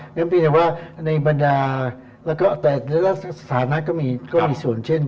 นั้นเป็นแหละว่าในบรรดาและสถานะก็มีส่วนเช่น